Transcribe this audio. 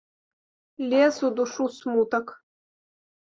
Лез у душу смутак.